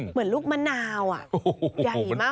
เหมือนลูกมะนาวอ่ะ